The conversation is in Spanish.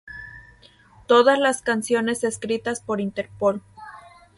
Todas las canciones escritas por Interpol.